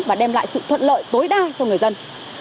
và đem lại sự thuận lợi tối đa cho người dân